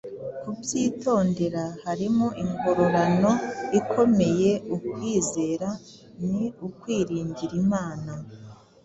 kubyitondera harimo ingororano ikomeye Ukwizera ni ukwiringira Imana